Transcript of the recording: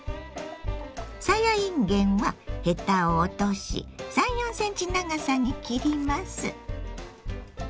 さやいんげんはヘタを落とし３４ｃｍ長さに切ります。